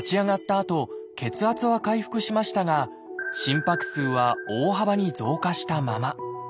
あと血圧は回復しましたが心拍数は大幅に増加したまま。